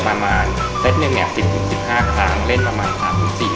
ประมาณเซ็ตหนึ่งเนี้ยสิบถึงสิบห้าครั้งเล่นประมาณสามถึงสี่